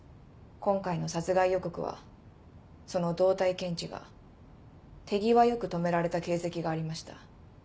今回の殺害予告はその動体検知が手際良く止められた形跡がありました。